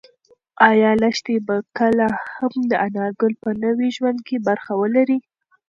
ایا لښتې به کله هم د انارګل په نوي ژوند کې برخه ولري؟